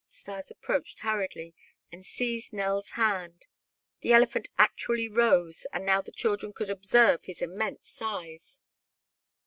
Stas approached hurriedly and seized Nell's hand. The elephant actually rose, and now the children could observe his immense size.